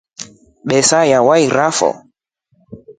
Besa yavairafu.